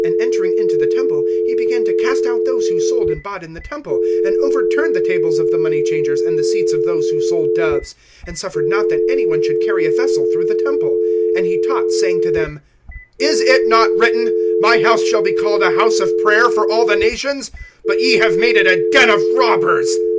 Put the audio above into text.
And entering into the temple, he began to cast out those who sold and bought in the temple, and overturned the tables of the money changers, and the seats of those who sold doves; (16)and suffered not that any one should carry a vessel through the temple. (17)And he taught, saying to them: Is it not written: My house shall be called a house of prayer for all the nations? But ye have made it a den of robbers.